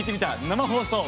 生放送。